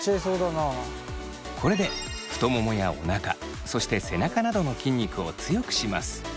これで太ももやおなかそして背中などの筋肉を強くします。